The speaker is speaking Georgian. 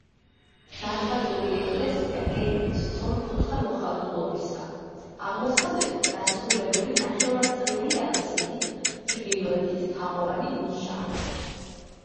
დარბაზული ეკლესია გეგმით სწორკუთხა მოხაზულობისაა, აღმოსავლეთით დასრულებული ნახევარწრიული აბსიდით, ჩრდილოეთით თაღოვანი ნიშაა.